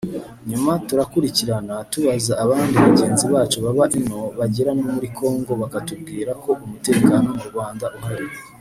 nyuma turakurikirana tubaza abandi bagenzi bacu baba ino bagera no muri Congo bakatubwira ko umutekano mu Rwanda uhari